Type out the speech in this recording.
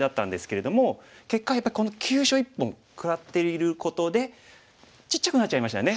結果やっぱりこの急所１本食らっていることでちっちゃくなっちゃいましたね。